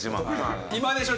今でしょ！